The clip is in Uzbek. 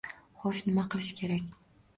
Xo'sh, nima qilish kerak